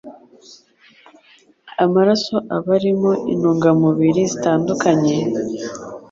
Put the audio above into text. Amaraso aba arimo intungamubiri zitandukanye,